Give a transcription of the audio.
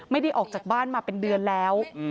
ไม่ได้ออกจากบ้านมาเป็นเดือนแล้ว